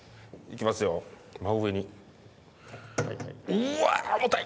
うわ重たい。